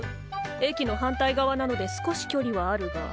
駅の反対側なので少し距離はあるが。